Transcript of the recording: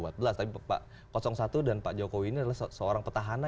tapi pak satu dan pak jokowi ini adalah seorang petahana